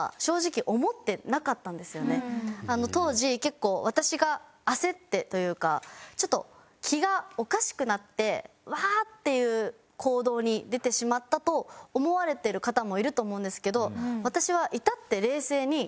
当時結構私が焦ってというかちょっと気がおかしくなってウワーッていう行動に出てしまったと思われている方もいると思うんですけど。